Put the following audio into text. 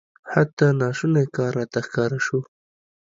حتی ناشونی کار راته ښکاره سو.